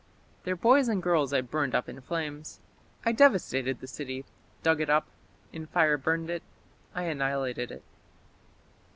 Their boys and girls I burned up in flames. I devastated the city, dug it up, in fire burned it; I annihilated it.